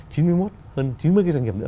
chín mươi một hơn chín mươi doanh nghiệp nữa